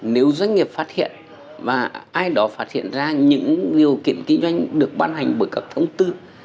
nếu doanh nghiệp phát hiện và ai đó phát hiện ra những điều kiện kinh doanh được bán hành bởi các thông tư